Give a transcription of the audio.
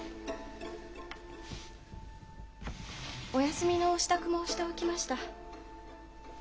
お休みのお支度もしておきました。